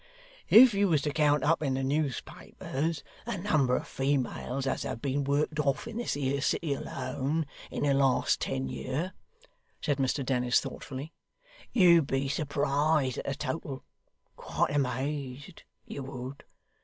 If you was to count up in the newspapers the number of females as have been worked off in this here city alone, in the last ten year,' said Mr Dennis thoughtfully, 'you'd be surprised at the total quite amazed, you would.